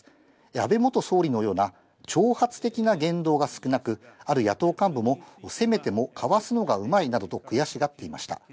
安倍元総理のような挑発的な言動が少なく、ある野党幹部も、攻めてもかわすのがうまいなどと悔しがっていました。